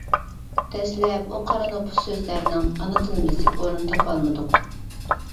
دەسلەپ ئۇ قارا نوپۇس سۆزلەرنىڭ ئانا تىلىمىزدىكى ئورنىنى تاپالمىدۇق.